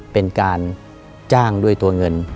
เป็นการจ้างด้วยตัวเงิน